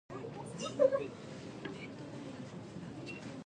This is the case in Rajasthan, Himachal Pradesh, Uttar Pradesh and also in Haryana.